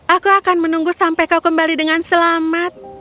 aku akan menunggu sampai kau kembali dengan selamat